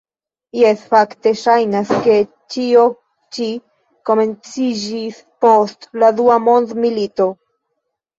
Jes, fakte ŝajnas, ke ĉio ĉi komenciĝis post la dua mondmilito.